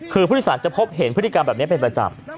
คือผู้โดยสารจะพบเห็นพฤติกรรมแบบนี้เป็นประจำ